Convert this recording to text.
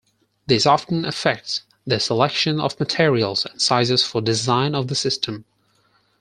This often affects the selection of materials and sizes for design of the system.